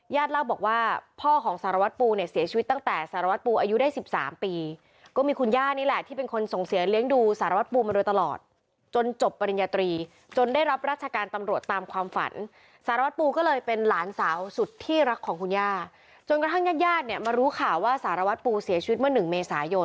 เล่าบอกว่าพ่อของสารวัตรปูเนี่ยเสียชีวิตตั้งแต่สารวัตรปูอายุได้๑๓ปีก็มีคุณย่านี่แหละที่เป็นคนส่งเสียเลี้ยงดูสารวัตรปูมาโดยตลอดจนจบปริญญาตรีจนได้รับราชการตำรวจตามความฝันสารวัตรปูก็เลยเป็นหลานสาวสุดที่รักของคุณย่าจนกระทั่งญาติญาติเนี่ยมารู้ข่าวว่าสารวัตรปูเสียชีวิตเมื่อหนึ่งเมษายน